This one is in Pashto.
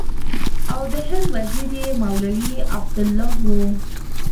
او د هند وزیر یې مولوي عبیدالله و.